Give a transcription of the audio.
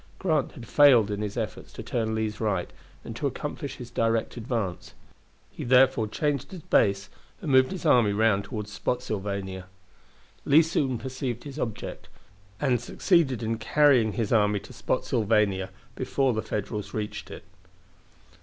Grant had failed in his efforts to turn Lee's right and to accomplish his direct advance; he therefore changed his base and moved his army round toward Spotsylvania. Lee soon perceived his object, and succeeded in carrying his army to Spotsylvania before the Federals reached it.